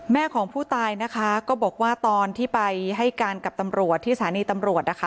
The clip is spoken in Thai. แม่ของผู้ตายนะคะก็บอกว่าตอนที่ไปให้การกับตำรวจที่สถานีตำรวจนะคะ